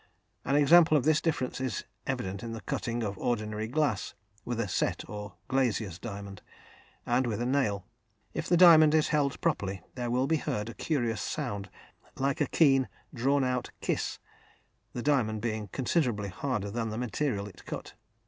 An example of this difference is evident in the cutting of ordinary glass with a "set" or "glazier's" diamond, and with a nail. If the diamond is held properly, there will be heard a curious sound like a keen, drawn out "kiss," the diamond being considerably harder than the material it cut.